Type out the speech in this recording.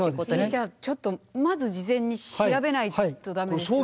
じゃあちょっとまず事前に調べないとダメですよね。